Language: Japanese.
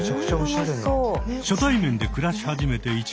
初対面で暮らし始めて１年。